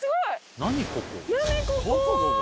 何ここ！